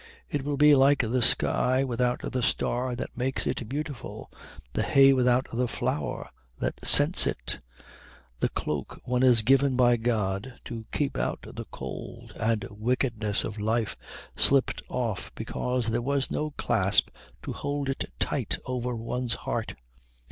It will be like the sky without the star that makes it beautiful, the hay without the flower that scents it, the cloak one is given by God to keep out the cold and wickedness of life slipped off because there was no clasp to hold it tight over one's heart."